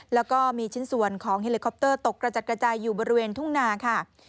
แล้วก็มีชิ้นส่วนของเฮลิคอปเตอร์ตกกระจัดกระจายอยู่บริเวณทุ่งนาค่ะ